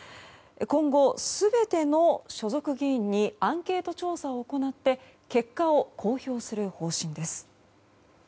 今後、全ての所属議員にアンケート調査を行って結果を公表する方針です。